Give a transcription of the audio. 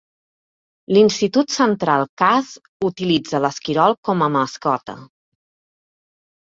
L'Institut Central Cass utilitza l'esquirol com a mascota.